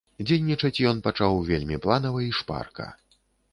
Дзейнічаць ён пачаў вельмі планава і шпарка.